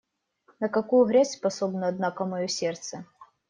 На какую грязь способно, однако, мое сердце!